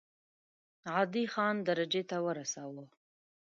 عادي خان درجې ته ورساوه.